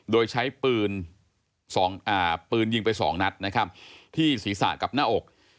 โดยใช้ปืนยิงไปสองนัดนะครับที่ศีรษะกับหน้าอก